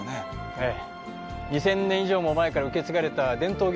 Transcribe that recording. ええ。